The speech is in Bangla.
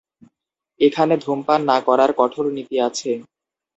এখানে ধূমপান না করার কঠোর নীতি আছে।